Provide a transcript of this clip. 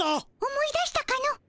思い出したかの？